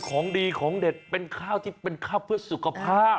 ของดีของเด็ดเป็นข้าวที่เป็นข้าวเพื่อสุขภาพ